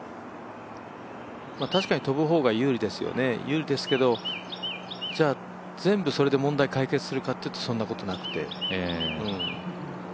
確かに飛ぶ方が有利ですけど、じゃあ全部それで問題解決するかというとそうでもなくて。